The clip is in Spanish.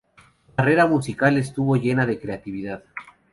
Su carrera musical estuvo llena de creatividad.